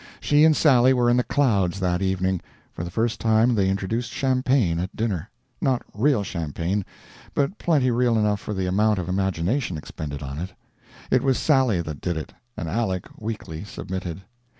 She and Sally were in the clouds that evening. For the first time they introduced champagne at dinner. Not real champagne, but plenty real enough for the amount of imagination expended on it. It was Sally that did it, and Aleck weakly submitted.